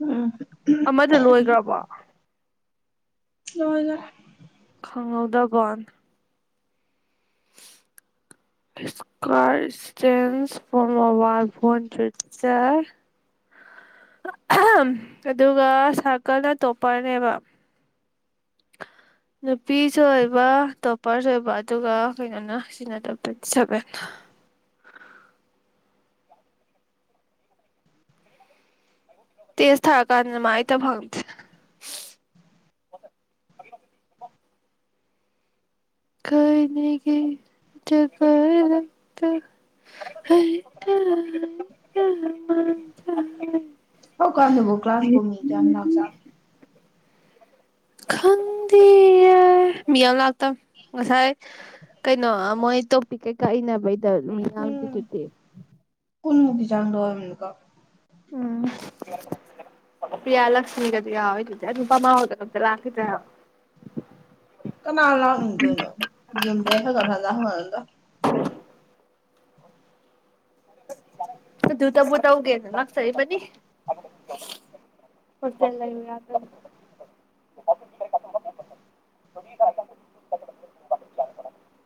ꯎꯝ ꯑꯃꯗ ꯂꯣꯏꯈ꯭ꯔꯕꯣ ꯍꯣꯏꯅ ꯈꯪꯍꯧꯗꯕꯣꯟ ꯏꯁꯀꯦꯟꯁ ꯐ ꯃꯣꯕꯥꯜ ꯐꯣꯟ ꯆ ꯑꯗꯨꯒ ꯁꯥꯔꯀꯜꯅꯇꯣꯞꯄꯅꯦꯕ ꯅꯨꯄꯤꯁꯨ ꯑꯣꯏꯕ ꯇꯣꯞꯄꯔꯁꯨ ꯑꯣꯏꯕ ꯑꯗꯨꯒ ꯀꯩꯅꯣꯅ ꯁꯤꯖꯤꯟꯅꯗꯕ ꯇ꯭ꯋꯦꯟꯇꯤ ꯁꯚꯦꯟ ꯇ ꯊꯥꯔꯀꯥ ꯃꯥꯥꯏꯇ ꯐꯪꯁ ꯀꯥꯏꯅꯤꯒ ꯕ ꯂꯛꯇ ꯍꯥꯏ ꯇ ꯊ ꯑꯣ ꯀꯥꯥꯟꯗꯕꯨꯣ ꯀ꯭ꯂꯥꯁꯕꯨꯨꯝꯃꯤꯃꯤ ꯀ ꯌꯥꯝꯅ ꯆꯥꯟ ꯈꯟꯗꯦ ꯃꯤꯌꯥꯝ ꯂꯥꯛꯇ ꯉꯁꯥꯏ ꯀꯩꯅꯣ ꯃꯣꯏ ꯇꯣꯄꯤꯛ ꯀꯩꯀꯥ ꯏꯅꯕꯩ ꯗꯤ ꯎꯝ ꯇꯠꯇ ꯀꯨꯟꯃꯨꯛꯀꯤ ꯆꯥꯡꯗꯣ ꯑꯣꯏꯔꯝꯅꯤꯀꯣ ꯎꯝ ꯄ꯭ꯤꯌꯥ ꯂꯛꯁꯃꯤꯒꯗꯨ ꯌꯥꯎꯋꯦꯗꯨꯗꯤ ꯑꯗꯨ ꯅꯨꯄꯥꯃꯥ ꯍꯥꯎꯗ ꯑꯝꯇ ꯂꯥꯛꯈꯤꯗ꯭ꯔ ꯀꯅꯥ ꯂꯥꯎꯅꯤꯡꯗꯣꯏꯅꯣ ꯌꯨꯝꯗꯩ ꯐꯖꯔ ꯐꯖ ꯍꯪꯉꯒ ꯗꯨꯇꯕꯨꯇ ꯎꯒꯦ ꯂꯥꯛꯔ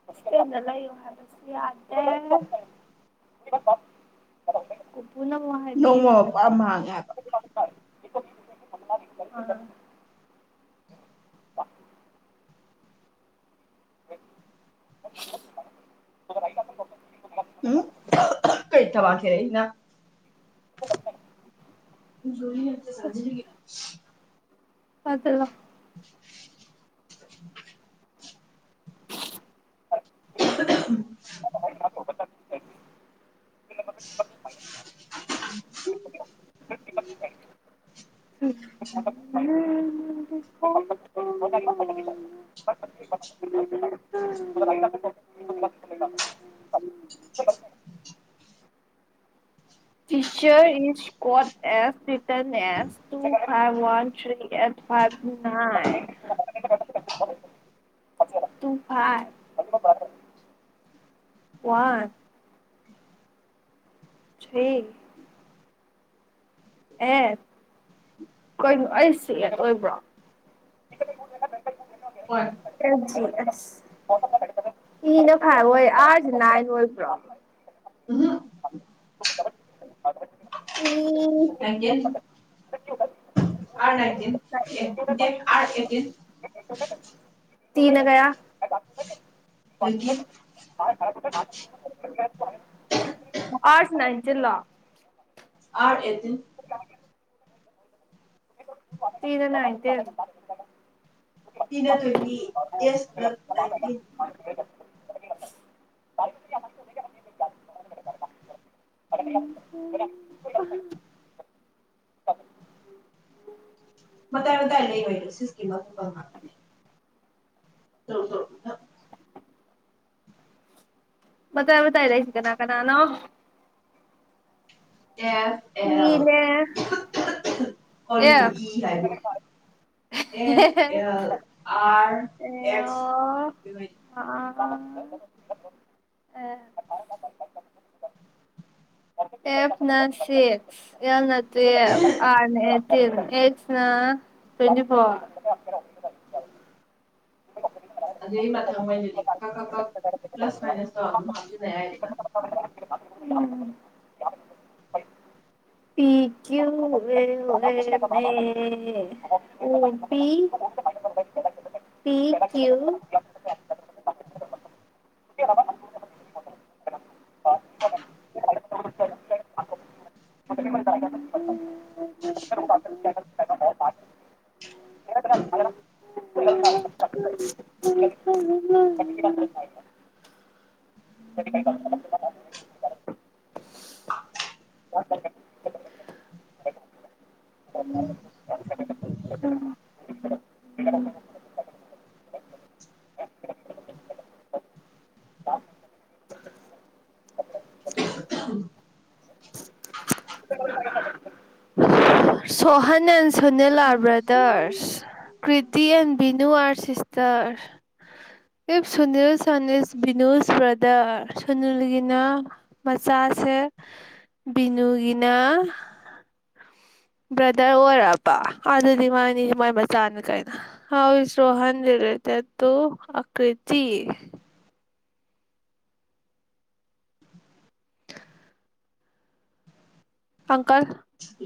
ꯁꯂ ꯏ ꯍꯥꯏ ꯁꯤ ꯌꯥꯗꯦ ꯅꯣꯡꯃ ꯄꯨꯔꯥ ꯃꯥꯡꯉꯦ ꯄꯨꯅꯃꯔ ꯍꯥꯏꯕ ꯏꯣ ꯅꯝ ꯃꯥꯗꯤ ꯑ ꯗ ꯎꯝ ꯀꯩ ꯊ ꯋꯥꯁꯤꯔꯍꯤꯗ ꯅꯤ ꯍꯥꯏ ꯁꯖꯔꯤ [unintelligible] ꯐꯗ ꯋꯥ [unintelligible] [unintelligible] [unintelligible] ꯎ teacher is code as written as two five one three eight five nine ꯇꯨꯡ ꯐꯥꯏ ꯋꯥ ꯁꯤ ꯑꯦ ꯀꯩꯅꯣ ꯑꯩꯁꯤ ꯑꯣꯏꯕ꯭ꯔꯣ ꯍꯣꯏ ꯑꯁ ꯏꯅ ꯐꯔ ꯍꯣꯏ ꯑꯥꯁꯨ ꯅꯥꯏꯅ ꯑꯣꯏꯕ꯭ꯔꯣ ꯑꯗꯨꯅ ꯎꯝ ꯑ ꯅꯅꯥꯏꯟꯇꯤꯟ ꯑꯦ ꯗ ꯑꯦꯇꯤꯟ ꯇꯅꯒꯌꯥ ꯂꯗꯒꯤꯌ ꯃꯥꯔꯁ ꯅꯥꯏꯟꯇꯤꯟ ꯂꯣ ꯑꯥꯔ ꯑꯦꯇ ꯁꯤꯅꯦꯅ ꯍꯥꯏꯥꯏꯇꯦ ꯇꯅ ꯇ꯭ꯋꯦꯟꯇꯤ ꯑꯦꯁ ꯀ꯭ꯂ ꯅꯥꯏꯟꯇꯤꯟ [unintelligible] ꯃꯊ ꯃꯊꯥꯏ ꯂꯩ ꯑꯣꯏꯣꯏ ꯁꯤ ꯁꯀꯤ ꯐꯗ ꯆ ꯆ ꯃꯇꯥꯏ ꯝꯇꯥꯏ ꯂꯩꯁꯤ ꯀꯅꯥ ꯀꯅꯥꯅꯥꯣ ꯑꯦ ꯏꯅꯦ ꯑ ꯀ ꯂꯣꯏ ꯑꯦꯐ ꯏ ꯍꯥꯏꯕꯨꯨ F L R X L F ꯅ ꯁꯤꯁ ꯑꯦ ꯑ ꯑ ꯇ꯭ꯋꯦꯟ ꯐ ꯑꯗꯨꯗꯕ꯭ꯔꯊꯃꯅꯤ ꯀ ꯀꯥ ꯀꯥ ꯄ꯭ꯂꯁ ꯃꯥꯏꯅꯁ ꯇ ꯑꯗꯨꯝ ꯍꯥꯞꯇꯗꯌꯥꯗ ꯄ꯭ꯨ ꯎ ꯄ ꯄꯤ ꯀ꯭ꯨ ꯀꯦ [unintelligible] ꯎꯝ [unintelligible] ꯎ ꯁꯣꯍꯅꯦꯟ ꯁꯨꯅꯤꯂꯥ ꯁꯤ brothers Kriti and ꯚꯅꯨ R sister F Sunil ꯁ ꯕꯤꯅꯨꯁ ꯕ꯭ꯔꯗꯔ ꯁꯨꯅꯤꯜꯒꯤꯅ ꯃꯆꯥꯁꯦ ꯕꯤꯅꯨꯒꯤꯅ ꯕ꯭ꯔꯗꯔ ꯑꯣꯏꯔꯔꯕ ꯑꯗꯨꯗꯤ ꯃꯥꯅꯤ ꯃꯥꯏ ꯃꯆꯥꯅ ꯀꯩꯅꯣ ꯍꯥꯎ ꯏꯁ Rohan related to Akriti uncle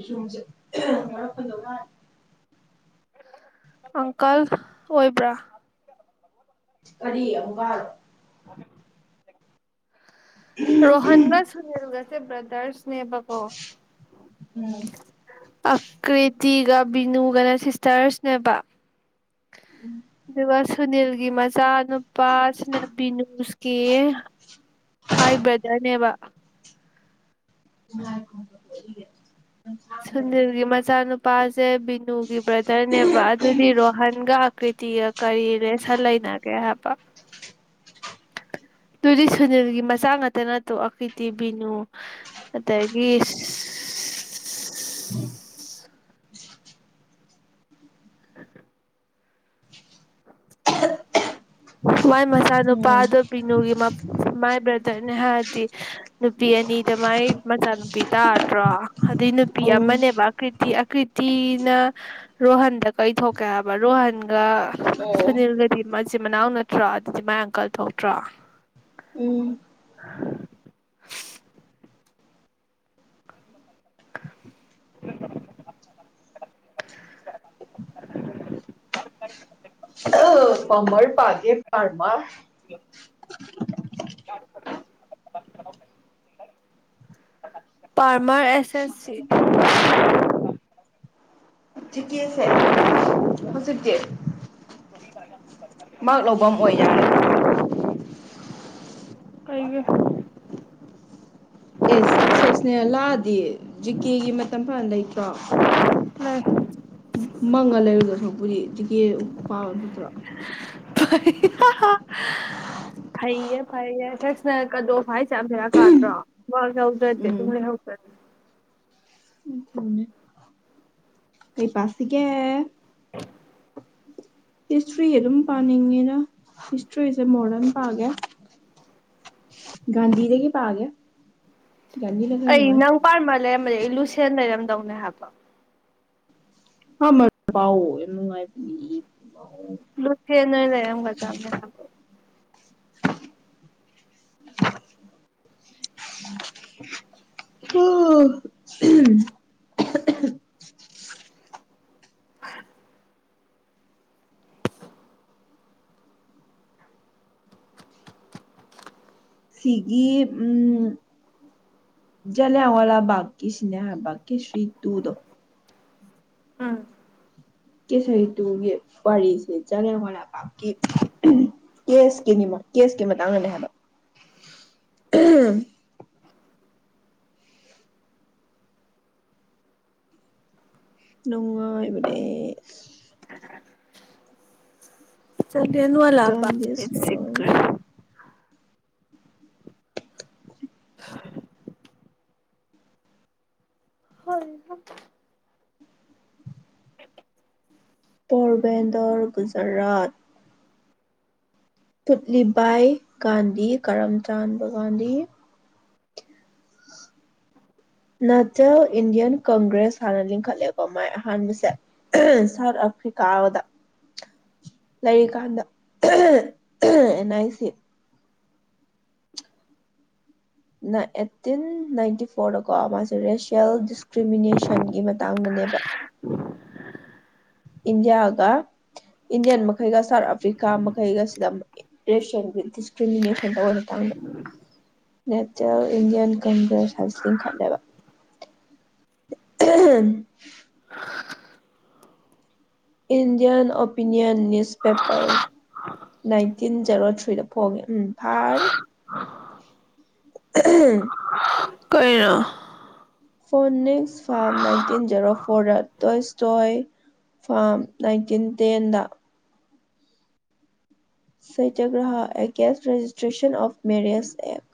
ꯁꯨꯁꯦ ꯃꯔꯄꯗꯉ ꯑꯪꯀꯜ ꯑꯣꯏꯕ꯭ꯔꯥ ꯀꯔꯤ ꯑꯋꯥꯜ ꯎꯝ ꯔꯣꯍꯟꯒ ꯁꯅꯤꯜꯒꯁꯦ ꯕ꯭ꯔꯗꯔꯁꯅꯦꯕꯀꯣ ꯑꯀ꯭ꯔꯤꯇꯤꯒ ꯕꯤꯅꯨꯒꯅ ꯁꯤꯁꯇꯔꯁꯅꯦꯕ ꯑꯗꯨꯒ ꯁꯨꯅꯤꯜꯒꯤ ꯃꯆꯥ ꯅꯨꯨꯄꯥꯁꯤꯅ ꯕꯤꯅꯨꯁꯀꯤ ꯃꯥꯏ ꯕ꯭ꯔꯗꯔꯅꯦꯕ ꯁꯨꯅꯤꯜꯒꯤ ꯃꯆꯥꯅꯨꯄꯥꯁꯦ ꯕꯤꯅꯨꯒꯤ ꯕ꯭ꯔꯗꯔꯅꯦꯕ ꯑꯗꯨꯗꯤ ꯔꯣꯍꯟꯒ ꯑꯀ꯭ꯔꯤꯇꯤꯒ ꯀꯔꯤꯅꯦ ꯁꯟ ꯂꯩꯅꯒꯦ ꯍꯥꯏꯕ ꯑꯗꯨꯗꯤ ꯁꯨꯅꯤꯜꯒꯤ ꯃꯆꯥ ꯉꯥꯛꯇꯅ ꯇꯣꯛ ꯑꯩꯈꯣꯏꯗꯤꯤ ꯕꯤꯅꯨ ꯑꯗꯒꯤ ꯎ ꯃꯏ ꯃꯆꯥꯅꯨꯄꯥ ꯎꯝ ꯑꯗꯨꯣ ꯕꯤꯅꯨꯒꯤ ꯃꯥꯏ ꯕ꯭ꯔꯗꯔꯅꯦ ꯍꯥꯏꯔꯗꯤ ꯅꯨꯄꯤ ꯑꯅꯤꯗ ꯃꯥꯏ ꯃꯆꯥꯅꯨꯄꯤ ꯇꯥꯗ꯭ꯔꯣ ꯑꯗꯨꯩ ꯅꯨꯄꯤ ꯑꯃꯅꯦꯕ ꯀ꯭ꯔꯤ ꯇꯤ ꯑꯀ꯭ꯔꯤꯇꯤꯅ ꯔꯣꯍꯟꯗ ꯀꯩꯊꯣꯛꯀꯦ ꯍꯥꯏꯕ ꯔꯣꯍꯟꯒ ꯎꯝ ꯑꯣ ꯁꯨꯅꯤꯜꯒꯗꯤ ꯃ [unintelligible] ꯃꯆꯤꯟ ꯃꯅꯥꯎ ꯅꯠꯇ꯭ꯔ‌ꯣ ꯑꯗꯨꯗꯤ ꯃꯥꯏ ꯑꯪꯀꯜ ꯊꯣꯛꯇ꯭ꯔ‌ꯣ ꯎꯝ [unintelligible] ꯀꯃꯔ ꯄꯥꯒꯦ ꯄꯥꯔꯃ [unintelligible] [unintelligible] ꯄꯥꯔꯃꯔ ꯑꯦꯁ‌ꯦꯁ ꯁꯤ ꯖꯤꯀ‌ꯦꯁ‌ꯦ ꯍꯨꯖꯤꯛꯇꯤ ꯃꯥꯥꯛ ꯂꯧꯕꯝ ꯑꯣꯏ ꯌꯥꯔꯦꯕ ꯑꯩꯒꯤ [unintelligible] ꯑꯦꯁ ꯁꯦꯛꯁꯅꯦꯂꯥꯗꯤ ꯖꯤꯀꯦꯒꯤ ꯃꯇꯝ ꯐꯅ ꯂꯩꯇ꯭ꯔꯣ ꯂꯩ ꯃꯪꯉꯥ ꯂꯩꯔꯤꯗ‌ꯣ ꯁꯔꯛꯄꯨꯗꯤ ꯖꯤꯀꯦ ꯄꯥꯝꯕ ꯐꯠꯇ꯭ꯔꯣ ꯐꯩꯌꯦ ꯐꯩꯌꯦ ꯍꯛꯁꯅ ꯀꯗꯣ ꯐꯥꯏꯁꯦ [unintelligible] ꯌꯥꯝꯊꯔꯥ ꯀꯥꯗ꯭ꯔꯣ ꯋꯥꯍꯧꯗ꯭ꯔꯗꯤ ꯎꯝ ꯇꯨꯝ ꯂꯩꯍꯧꯗ꯭ꯔꯗꯤ ꯑꯗꯨꯅꯦ ꯀꯩ ꯄꯥꯁꯤꯒꯦ ꯎ [unintelligible] ꯍꯤꯁꯇ꯭ꯔꯤ ꯑꯗꯨꯝ ꯄꯥꯅꯤꯡꯉꯤꯗ ꯍꯤꯁꯇ꯭ꯔꯤꯁꯦ ꯃꯣꯗꯔꯟ ꯄꯥꯒꯦ ꯒꯥꯟꯙꯤꯗꯒꯤ ꯄꯥꯒꯦ ꯒꯥꯟꯙꯤꯅ ꯈꯔ ꯑꯩ ꯅꯨꯡꯉꯥꯏ ꯅꯪ ꯄꯥꯔꯃꯜ ꯂꯩꯔ ꯑꯃ ꯑꯩ ꯂꯨꯁꯤ ꯁꯦꯟ ꯂꯩꯔꯝꯗꯧꯅꯦ ꯍꯥꯏꯕ ꯍꯥ ꯃ ꯄꯥꯎ ꯅꯨꯡꯉꯥꯏ ꯂꯗꯨꯊꯈꯤ ꯅ ꯂꯩ ꯑ ꯀꯖꯃꯦ ꯍꯥꯕ ꯍ ꯁꯤꯒꯤ ꯎꯝ ꯂꯋꯥꯥ ꯕꯥꯀꯤꯀꯤ ꯁ꯭ꯅꯦꯍꯥ ꯀꯤꯦꯁ꯭ꯔꯤ ꯇꯨꯗꯣ ꯎꯝ ꯀꯦꯁ ꯍꯇꯨꯒꯤ ꯋꯥꯔꯤꯁꯦ ꯆꯖꯔꯦ ꯋꯥꯥꯀꯤ ꯀꯦꯁꯀꯤꯅꯤ ꯀꯦꯁꯀꯤ ꯃꯇꯥꯡꯗꯅꯦ ꯍꯥꯏꯕ ꯅꯣꯡꯥꯏ ꯃ ꯆꯅꯁꯤ ꯖꯣꯟꯗꯤꯁꯣꯔ ꯍ ꯑ ꯄꯕꯦꯟꯗꯣꯔ ꯨꯖꯔꯥꯠ ꯁꯨꯠꯂꯤꯕꯥꯏ ꯒꯥꯟꯙꯤ ꯀꯔꯝꯆꯥꯟꯕ ꯒꯥꯟꯙꯤ ꯅꯆꯦꯜ ꯏꯟꯗꯤꯌꯥꯟ ꯀꯪꯒ꯭ꯔꯦꯁ ꯍꯥꯟꯅ ꯂꯤꯡꯈꯠꯂꯦꯀꯣ ꯃꯥꯏ ꯑꯍꯥꯟꯕꯁꯦ ꯁꯥꯎꯠ ꯑꯐ꯭ꯔꯤꯀꯥꯗ ꯂꯩꯔꯤꯀꯥꯟꯗ ꯑꯦꯟ ꯑꯥꯏ ꯁꯤ ꯅ ꯑꯦꯠꯇꯤꯟ ꯅꯥꯏꯟꯇꯤ ꯐꯣꯔꯗꯀꯣ ꯃꯥꯁꯦ ꯔꯦꯁꯤꯌꯦꯜ ꯗꯤꯁꯀ꯭ꯔꯤꯃꯤꯅꯦꯁꯟꯒꯤ ꯃꯇꯥꯡꯗꯅꯦꯕ ꯏꯟꯗꯤꯌꯥꯑꯒ ꯏꯟꯗꯤꯌꯥꯟꯃ ꯀꯩꯒ ꯁꯥꯎꯠ ꯑꯐ꯭ꯔꯤꯀꯥ ꯃꯈꯩꯒ ꯁꯤꯗ ꯑꯦꯁ ꯀ꯭ꯔꯤꯃꯤꯅꯦꯁꯟꯗ ꯑꯣꯏꯅ ꯇꯪꯃꯦ ꯅꯦꯇꯦꯜ ꯏꯟꯗꯤꯌꯥꯟ ꯀꯪꯒ꯭ꯔꯦꯁ ꯍꯥꯏꯕꯁꯤ ꯂꯤꯡꯈꯠꯂꯦꯕ ꯎ Indian opinion newspaper nineteen zero ꯊ꯭ꯔꯤꯗ ꯐꯣꯡꯉꯦ ꯎꯝ ꯐꯥꯔꯦ [unintelligible] ꯀꯥꯏꯔ ꯐꯣꯟꯅꯤꯛꯁ ꯐꯥꯝ ꯅꯥꯏꯟꯇꯤꯟ ꯖꯦꯔꯣ ꯐꯣꯔꯗ ꯇꯣꯏꯁꯇꯣꯏ ꯐꯥꯝ ꯅꯥꯏꯟꯇꯤꯟ ꯇꯦꯟꯗ satyagraha against registration of marriages act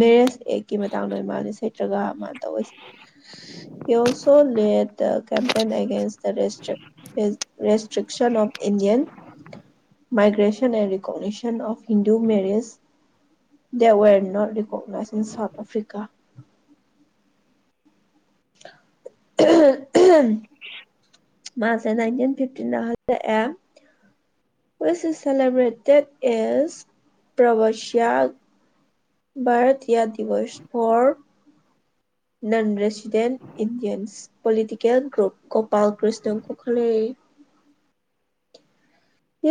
marriage ꯑꯦꯛꯀꯤ ꯃꯇꯥꯡꯗ ꯏ ꯃꯥꯅꯤ ꯁꯩꯇ꯭ꯔꯒ ꯃꯥ ꯇꯧꯁ also led the campaign against the restriction of Indian migration and recognition of Hindu marriage the not recognized in South Africa ꯃꯥꯁꯦ nineteen ꯐꯤꯞꯇꯤꯜꯂꯛ celebrated A Pravasi Bharatiya Divas for non resident Indians political group ꯀꯣ ꯕꯥꯜ ꯀ꯭ꯁꯅ ꯀꯈꯂꯦ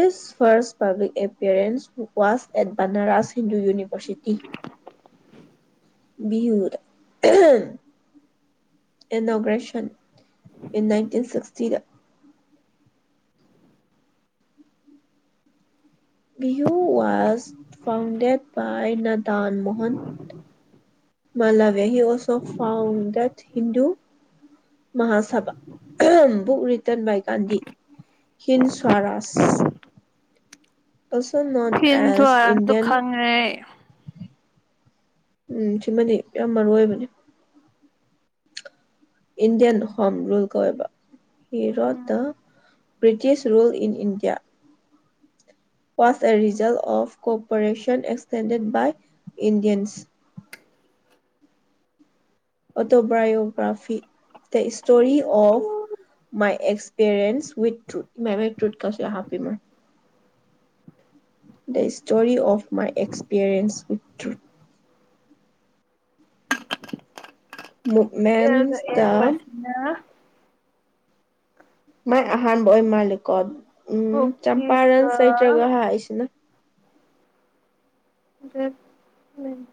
his first public appearance was at Banaras Hindu university ꯔ inauguration in nineteen ꯁꯤꯛꯁꯇꯤꯗ ꯍꯌꯨ was founded by Madan Mohan Malaviya he also founded Hindu Mahasabha book written by Gandhi Hind Swaraj ꯐꯤꯟꯁꯨ ꯇ ꯈꯪꯉꯦ ꯎꯝ ꯁꯤꯃꯗꯤ ꯌꯥꯝ ꯃꯔꯨ ꯑꯣꯏꯕꯅꯤ ꯏꯟꯗꯤꯌꯥꯟ ꯍꯣꯝ ꯔꯨꯜ ꯀꯧꯋꯦꯕ ꯎꯝ ꯍꯤꯔꯣꯠꯇ British rule in India was ꯑꯦꯔꯤꯖꯜ of cooperation extended by Indians autobiography the story of my experience with truth ꯃꯦꯚꯦꯛ ꯇ꯭ꯔꯨꯠꯀꯁꯂ ꯍꯥꯞꯄꯤꯃꯨ the story of my experience with truth ꯀꯗ ꯌꯦꯁꯅ ꯃꯥꯏ ꯑꯍꯥꯟꯕ ꯑꯣꯏ ꯃꯥꯂꯦꯀꯣ ꯎꯝ ꯆꯝꯄꯔꯟ ꯍꯣꯀꯤꯒ ꯆꯩꯇ꯭ꯔꯒ ꯍꯥꯏꯁꯤꯅ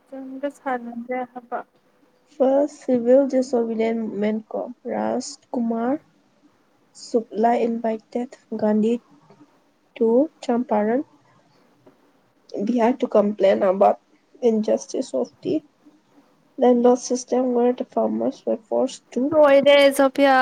ꯆꯪꯒ ꯁꯥꯟꯅꯖꯦ ꯍꯥꯏꯕ ꯐꯥꯔ ꯁꯤꯚꯤꯜ ꯖꯦꯁꯣꯕꯤꯗꯟ ꯃꯨꯚꯃꯦꯟ ꯀꯣ Rajkumar Shukla invited Gandhi to Champaran Bihar to complain ꯑꯕꯥ injustice of ꯂ ꯂꯣ ꯁꯤꯁꯇ ꯐꯥꯔꯃ ꯐꯣꯔ ꯂꯣꯏꯔꯦ ꯁꯣꯄꯤꯌꯥ